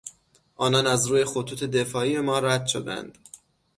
آنان از روی خطوط دفاعی ما رد شدند.